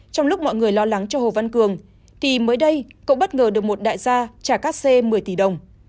trong lúc mọi người lo lắng cho hồ văn cường thì mới đây cậu bất ngờ được một đại gia trả các c một mươi tỷ đồng